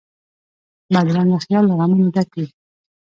بدرنګه خیال له غمونو ډک وي